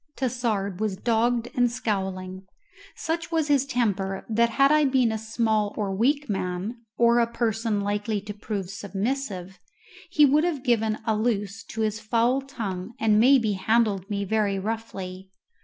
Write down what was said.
Tassard was dogged and scowling. Such was his temper that had I been a small or weak man, or a person likely to prove submissive, he would have given a loose to his foul tongue and maybe handled me very roughly.